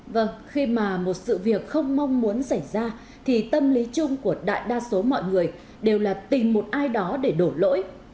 vâng khi mà một sự việc không mong muốn xảy ra thì tâm lý chung của đại đa số mọi người đều là tìm một ai đó để đổ lỗi